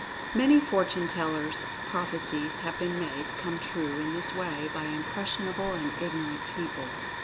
Many fortune tellers' prophecies have been made come true in this way by impressionable and ignorant peo ple.